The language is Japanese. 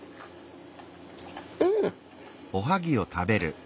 うん！